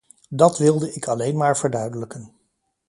Dat wilde ik alleen maar verduidelijken.